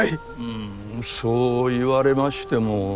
うんそう言われましても。